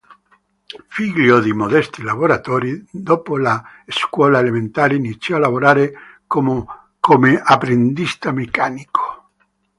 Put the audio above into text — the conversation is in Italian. Figlio di modesti lavoratori, dopo la scuola elementare iniziò a lavorare come apprendista meccanico.